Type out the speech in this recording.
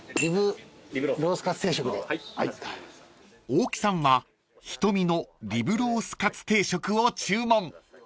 ［大木さんはひとみのリブロースかつ定食を注文］